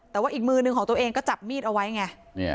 แต่ว่าอีกมือหนึ่งของตัวเองก็จับมีดเอาไว้ไง